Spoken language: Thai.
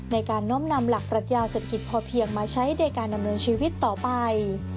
น้อมนำหลักปรัชญาเศรษฐกิจพอเพียงมาใช้ในการดำเนินชีวิตต่อไป